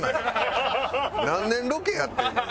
何年ロケやってんねん。